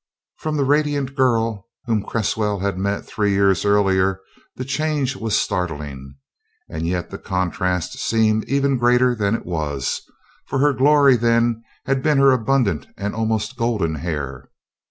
From the radiant girl whom Cresswell had met three years earlier the change was startling, and yet the contrast seemed even greater than it was, for her glory then had been her abundant and almost golden hair.